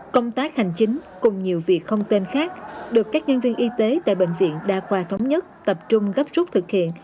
công tác hành chính cùng nhiều việc không tên khác được các nhân viên y tế tại bệnh viện đa khoa thống nhất tập trung gấp rút thực hiện